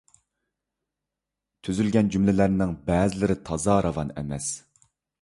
تۈزۈلگەن جۈملىلەرنىڭ بەزىلىرى تازا راۋان ئەمەس،.